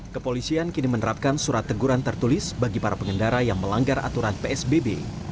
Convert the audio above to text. kepolisian kini menerapkan surat teguran tertulis bagi para pengendara yang melanggar aturan psbb